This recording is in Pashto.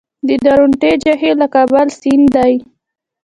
د درونټې جهیل د کابل سیند دی